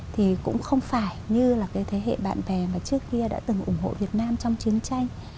thì cũng không phải như là cái thế hệ bạn bè mà trước kia đã từng ủng hộ việt nam trong chiến tranh